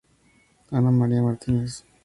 Ana María Martínez.